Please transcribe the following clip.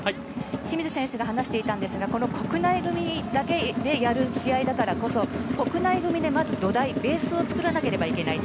清水選手が話していたんですが国内組だけでやる試合だからこそ国内組でまず土台ベースを作らなければいけない